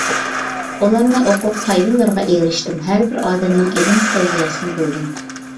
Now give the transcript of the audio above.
ئۇلارنى ئوقۇپ پايدىلىرىغا ئېرىشتىم، ھەربىر ئادەمنىڭ ئىلىم سەۋىيەسىنى بىلدىم.